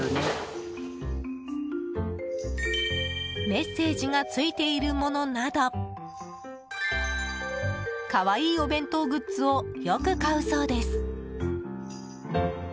メッセージが付いているものなど可愛いお弁当グッズをよく買うそうです。